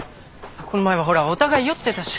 この前はほらお互い酔ってたし。